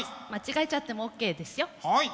間違えちゃってもＯＫですよ。